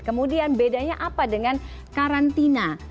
kemudian bedanya apa dengan karantina